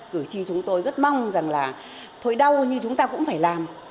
cử tri chúng tôi rất mong rằng là thôi đâu như chúng ta cũng phải làm